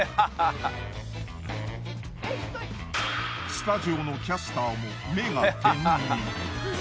スタジオのキャスターも目が点に。